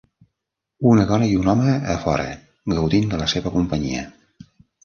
una dona i un home, a fora, gaudint de la seva companyia.